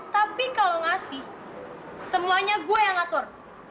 tapi kalau ngasih semuanya gue yang ngatur